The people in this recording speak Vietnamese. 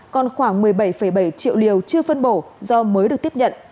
còn khoảng một mươi bảy bảy triệu liều chưa phân bổ do mới được tiếp nhận